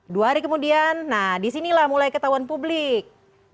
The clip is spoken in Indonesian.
dua hari kemudian nah disinilah mulai ketahuan publik